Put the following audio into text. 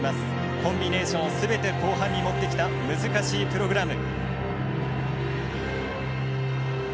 コンビネーションを全て後半に持ってきた難しいプログラム。